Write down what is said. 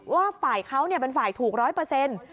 ว่าฝ่ายเขาเป็นฝ่ายถูกร้อยเปอร์เซ็นต์